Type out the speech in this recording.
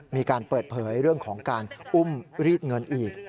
มีการเปิดเผยเรื่องของการอุ้มรีดเงินอีก